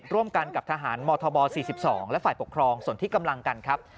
ร่วมกันกับทหารมธบ๔๒และฝ่ายปกครองส่วนที่กำลังกันครับ